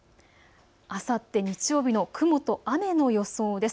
あさって日曜日の雲と雨の予想です。